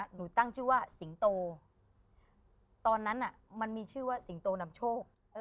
หนูตั้งชื่อว่าสิงโตตอนนั้นมันมีชื่อว่าสิงโตนำโชค